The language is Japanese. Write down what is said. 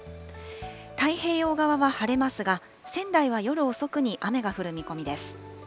太平洋側は晴れますが、仙台は夜遅くに雨が降る見込みです。